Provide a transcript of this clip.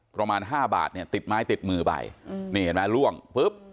ประมาณห้าบาทเนี่ยติดไม้ติดมือไปนี่เห็นไหมล่วงปุ๊บ